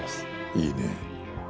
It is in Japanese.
いいね。